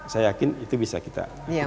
saya yakin itu bisa kita